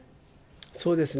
そうですね。